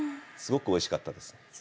すごくおいしかったですね。